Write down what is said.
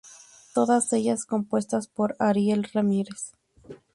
Todas ellas compuestas por Ariel Ramírez.